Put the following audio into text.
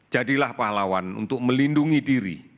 jadilah pahlawan untuk melindungi diri